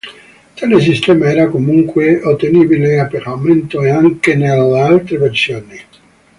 Tale sistema era comunque ottenibile a pagamento anche nelle altre versioni.